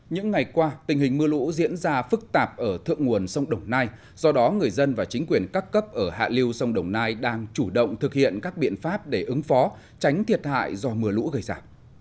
những ngày qua tình hình mưa lũ diễn ra phức tạp ở thượng nguồn sông đồng nai do đó người dân và chính quyền các cấp ở hạ liêu sông đồng nai đang chủ động thực hiện các biện pháp để ứng phó tránh thiệt hại do mưa lũ gây ra